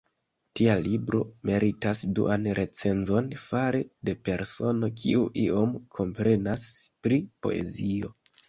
Tia libro meritas duan recenzon fare de persono kiu iom komprenas pri poezio!